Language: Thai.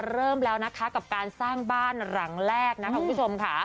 เริ่มแล้วนะคะกับการสร้างบ้านหลังแรกนะคุณผู้ชมค่ะ